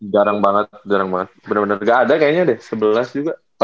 jarang banget jarang banget bener bener gak ada kayaknya deh sebelas juga